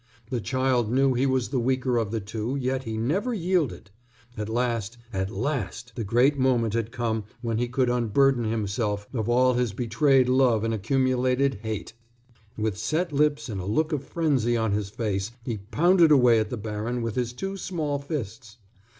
The child knew he was the weaker of the two, yet he never yielded. At last, at last the great moment had come when he could unburden himself of all his betrayed love and accumulated hate. With set lips and a look of frenzy on his face he pounded away at the baron with his two small fists.